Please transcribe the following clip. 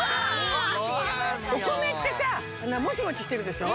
おこめってさモチモチしてるでしょ。